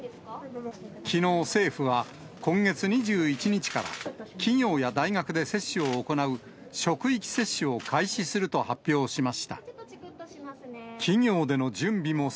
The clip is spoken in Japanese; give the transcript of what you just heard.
きのう、政府は今月２１日から、企業や大学で接種を行う職域接種を開始すると発表しました。